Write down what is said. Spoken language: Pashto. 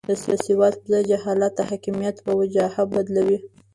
د سواد پر ځای جهالت د حاکمیت په وجاهت بدلوي.